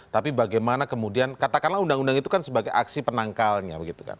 tapi bagaimana kemudian katakanlah undang undang itu kan sebagai aksi penangkalnya begitu kan